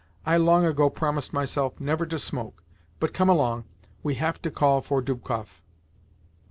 I long ago promised myself never to smoke. But come along; we have to call for Dubkoff."